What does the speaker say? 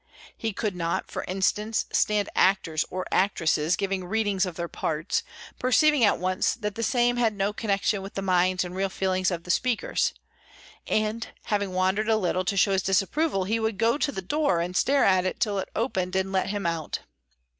He could not, for instance, stand actors or actresses giving readings of their parts, perceiving at once that the same had no connection with the minds and real feelings of the speakers; and, having wandered a little to show his disapproval, he would go to the door and stare at it till it opened and let him out.